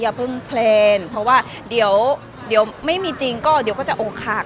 อย่าพึ่งเพลงเพราะว่าเดี๋ยวเดี๋ยวไม่มีจริงก็เดี๋ยวก็จะโอ้ขาก